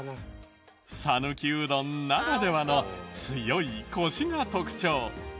讃岐うどんならではの強いコシが特徴。